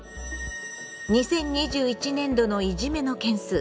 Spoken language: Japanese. ２０２１年度のいじめの件数。